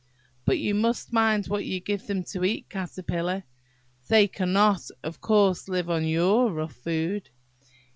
But you must mind what you give them to eat, Caterpillar!–they cannot, of course, live on your rough food.